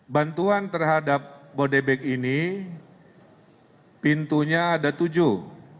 bantuan terhadap bodebek ini pintunya ada tujuh